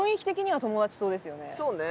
そうね。